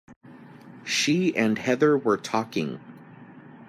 She and Heather were talking.